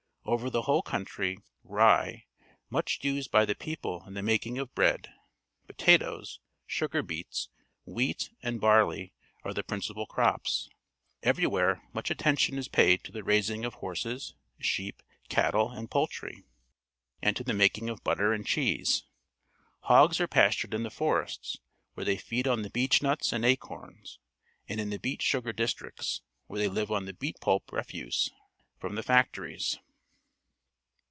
Over the whole country, rye — much used by the people in the making of bread — potatoes, sugar beets, wheat, and barley are the principal crops. Everj^vhere much attention is paid to the raising of horses, sheep, cattl e, and poultry, and to the making of butter and cheese. Hogs are pastured in the forests, where they feed on the beech nuts and acorns, and in the beet sugar districts, where they live on the beet pulp refuse from the factories.